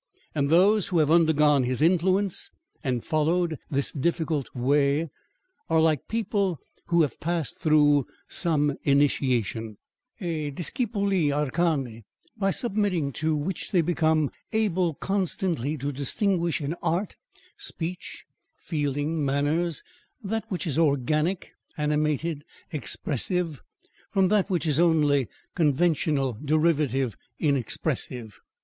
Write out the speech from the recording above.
And those who have undergone his influence, and followed this difficult way, are like people who have passed through some initiation, a disciplina arcani, by submitting to which they become able constantly to distinguish in art, speech, feeling, manners, that which is organic, animated, expressive, from that which is only conventional, derivative, inexpressive.